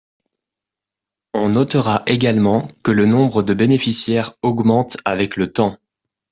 On notera également que le nombre de bénéficiaires augmente avec le temps.